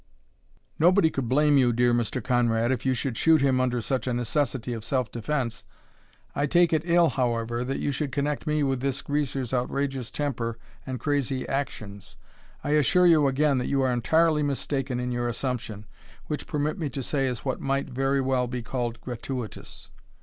Nobody could blame you, my dear Mr. Conrad, if you should shoot him under such a necessity of self defence. I take it ill, however, that you should connect me with this greaser's outrageous temper and crazy actions. I assure you again that you are entirely mistaken in your assumption, which, permit me to say, is what might very well be called gratuitous.